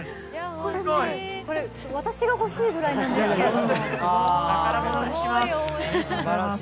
これ、私が欲しいくらいなんですけれども。